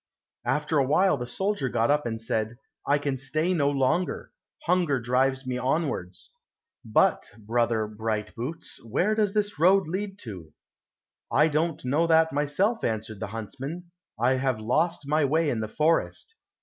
After a while the soldier got up and said, "I can stay no longer, hunger drives me onwards; but, Brother Bright boots, where does this road lead to?" "I don't know that myself," answered the huntsman, "I have lost my way in the forest."